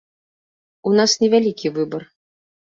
У нас невялікі выбар.